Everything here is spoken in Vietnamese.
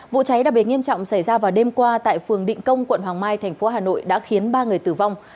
vụ cháy đặc biệt nghiêm trọng xảy ra vào đêm qua tại phường định công quận hoàng mai thành phố hà nội đã khiến ba người tử vong